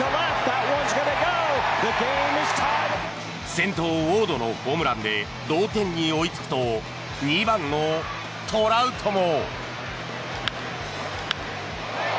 先頭、ウォードのホームランで同点に追いつくと２番のトラウトも。